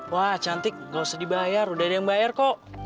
wah cantik gak usah dibayar udah ada yang bayar kok